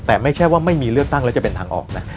แต่ไม่ใช่ว่าไม่มีเลือกตั้งแล้วจะเป็นทางออกนะ